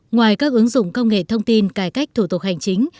ngoài các ứng dụng công nghệ thông tin cải cách thủ tục hành chính